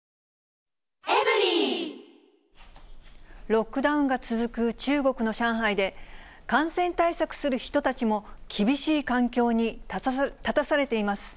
ロックダウンが続く中国の上海で、感染対策する人たちも厳しい環境に立たされています。